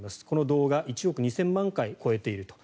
この動画、１億２０００万回を超えている。